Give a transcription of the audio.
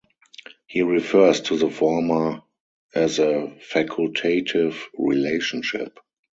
He refers to the former as a "facultative" relationship.